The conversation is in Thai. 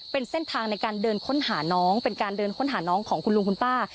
เป็นเส้นทางในการเดินค้นหาน้องเป็นการเดินค้นหาน้องของคุณลุงคุณป้า